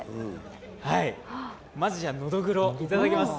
まず、ノドグロいただきます。